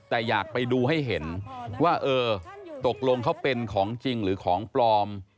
แต่อยากไปดูให้เห็นว่าเออตกลงเขาเป็นของจริงหรือของปลอม